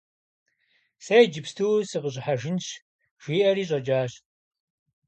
- Сэ иджыпсту сыкъыщӀыхьэжынщ, – жиӀэри щӀэкӀащ.